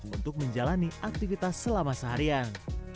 untuk menjalani aktivitas selama seharian